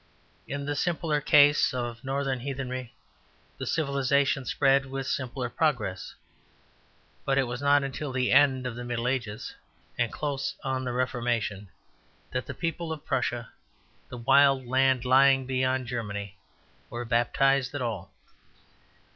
In the simpler case of northern heathenry the civilization spread with a simplier progress. But it was not till the end of the Middle Ages, and close on the Reformation, that the people of Prussia, the wild land lying beyond Germany, were baptized at all.